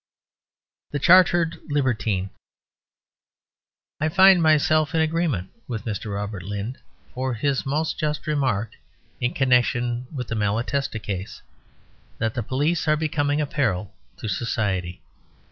THE CHARTERED LIBERTINE I find myself in agreement with Mr. Robert Lynd for his most just remark in connection with the Malatesta case, that the police are becoming a peril to society.